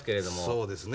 そうですね。